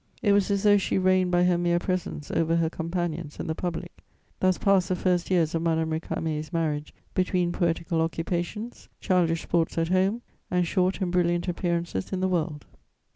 It was as though she reigned by her mere presence over her companions and the public. Thus passed the first years of Madame Récamier's marriage, between poetical occupations, childish sports at home, and short and brilliant appearances in the world."